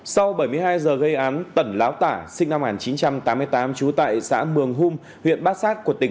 sau bảy mươi hai giờ gây án tẩn láo tả sinh năm một nghìn chín trăm tám mươi tám trú tại xã mường hung huyện bát sát của tỉnh